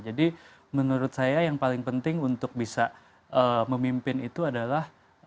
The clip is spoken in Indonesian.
jadi menurut saya yang paling penting untuk bisa memimpin itu adalah